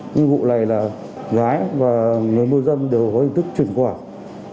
những vụ này là gái và người môi dâm đều có hình thức chuyển khoản